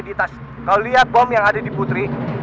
kita harus lompat ke air